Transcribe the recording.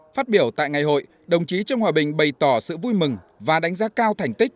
phát biểu tại ngày hội đồng chí trương hòa bình bày tỏ sự vui mừng và đánh giá cao thành tích